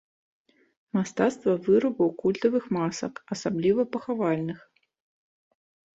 Мастацтва вырабу культавых масак, асабліва пахавальных.